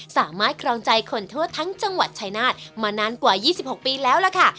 สามารถครองใจคนทั่วทั้งจังหวัดชัยนาฏมานาน๒๖ปีแล้วล่ะค่ะ